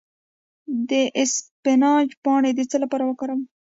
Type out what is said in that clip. د اسفناج پاڼې د څه لپاره وکاروم؟